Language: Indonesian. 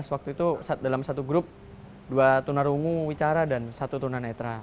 dua ribu lima belas waktu itu dalam satu grup dua tunarungu bicara dan satu tunanetra